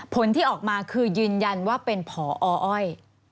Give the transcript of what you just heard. ผลที่ออกมาคือยืนยันว่าเป็นพออ้อย